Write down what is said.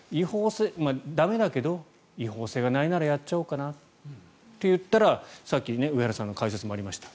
駄目だけど、違法性がないならやっちゃおうかなと言ったらさっき上原さんの解説にもありました